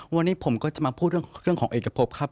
วันนี้ผมก็จะมาพูดเรื่องของเอกพบครับ